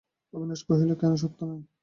অবিনাশ কহিল, কেন সত্য নয়?